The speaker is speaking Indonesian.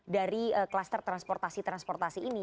dari kluster transportasi transportasi ini